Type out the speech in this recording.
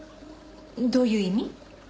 どういう意味？